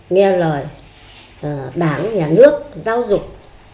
nghe lời đảng nhà nước giáo dục